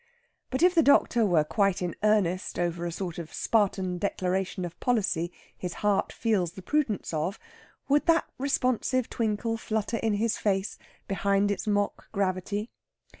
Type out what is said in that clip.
But if the doctor were quite in earnest over a sort of Spartan declaration of policy his heart feels the prudence of, would that responsive twinkle flutter in his face behind its mock gravity?